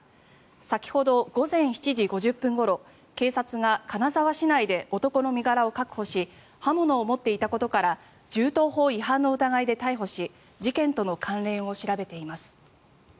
先ほど午前７時５０分ごろ警察が金沢市内で男の身柄を確保し刃物を持っていたことから銃刀法違反の疑いで逮捕し事件との関連を調べています。